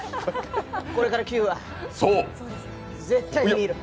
これから９話、絶対に見る。